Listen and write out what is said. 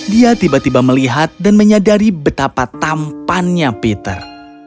dia tiba tiba melihat dan menyadari betapa tampannya peter